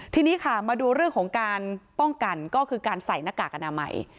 ทีนี้ค่ะมาดูเรื่องของการป้องกันก็คือการใส่หน้ากากอนามัย